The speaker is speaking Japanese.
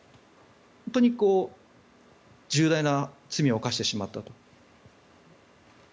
本当に重大な罪を犯してしまったと。